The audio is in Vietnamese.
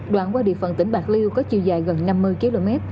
đoạn qua địa phận tỉnh bạc liêu có chiều dài gần năm mươi km